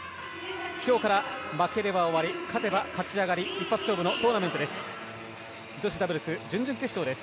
今日から負ければ終わり勝てば勝ち上がり、一発勝負のトーナメントです。